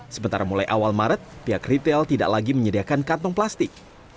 sementara mulai awal maret pihak retail tidak lagi menyediakan kantong plastik